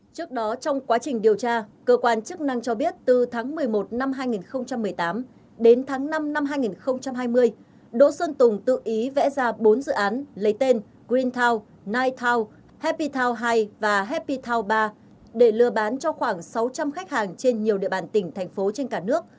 trước đó trong quá trình điều tra cơ quan chức năng cho biết từ tháng một mươi một năm hai nghìn một mươi tám đến tháng năm năm hai nghìn hai mươi đỗ sơn tùng tự ý vẽ ra bốn dự án lấy tên green town night town happy town hai và happy town ba để lừa bán cho khoảng sáu trăm linh khách hàng trên nhiều địa bàn tỉnh thành phố trên cả nước